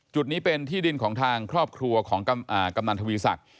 จุดนี้เป็นที่ดินของทางครอบครัวของกำนันทวีศักดิ์